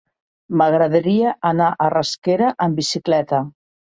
M'agradaria anar a Rasquera amb bicicleta.